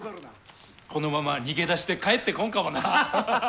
このまま逃げ出して帰ってこんかもな。